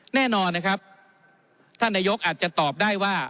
แน่นอนนะครับท่านนายกอาจจะตอบได้ว่า